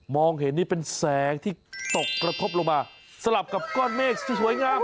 เห็นนี่เป็นแสงที่ตกกระทบลงมาสลับกับก้อนเมฆที่สวยงาม